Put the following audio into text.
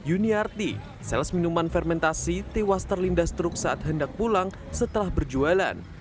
yuniarti sales minuman fermentasi tewas terlindas truk saat hendak pulang setelah berjualan